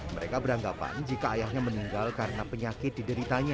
mereka beranggapan jika ayahnya meninggal karena penyakit dideritanya